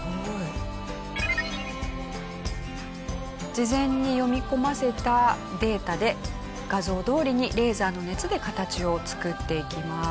事前に読み込ませたデータで画像どおりにレーザーの熱で形を作っていきます。